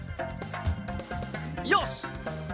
よし！